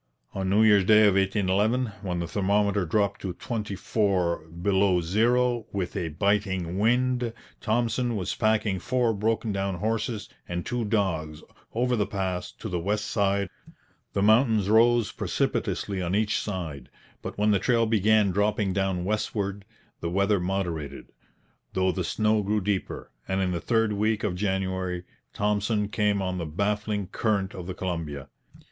On New Year's Day of 1811, when the thermometer dropped to 24° below zero, with a biting wind, Thompson was packing four broken down horses and two dogs over the pass to the west side of the Great Divide. The mountains rose precipitously on each side; but when the trail began dropping down westward, the weather moderated, though the snow grew deeper; and in the third week of January Thompson came on the baffling current of the Columbia.